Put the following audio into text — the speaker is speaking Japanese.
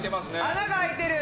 穴が開いてる。